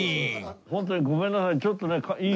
ホントにごめんなさい。